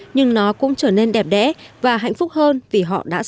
nhưng nó cũng trở nên đẹp đẽ và hạnh phúc hơn vì họ đã sống như thế